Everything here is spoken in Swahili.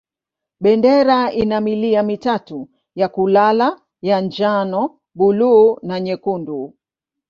Bendera ina milia mitatu ya kulala ya njano, buluu na nyekundu.